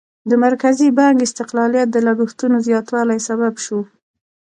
د مرکزي بانک استقلالیت د لګښتونو زیاتوالي سبب شو.